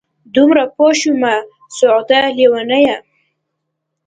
دومره پوه شومه سعوده لېونیه!